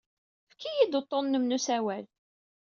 Efk-iyi-d uḍḍun-nnem n usawal.